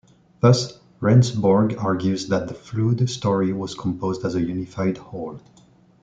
Thus, Rendsburg argues that the Flood story was composed as a unified whole.